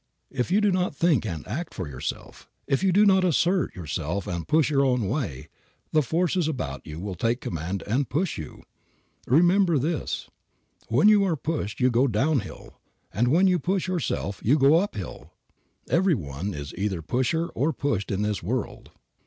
If you do not think and act for yourself, if you do not assert yourself and push your own way, the forces about you will take command and push you. And remember this: When you are pushed you go down hill; when you push yourself you go up hill. Every one is either pusher or pushed in this world.